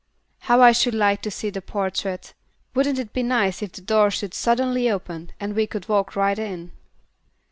"How I should like to see the portrait. Wouldn't it be nice if the door should suddenly open, and we could walk right in?"